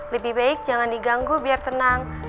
lebih baik jangan diganggu biar tenang